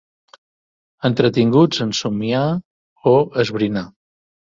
Entretinguts en somniar o esbrinar.